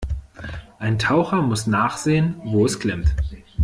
Ein Taucher muss nachsehen, wo es klemmt.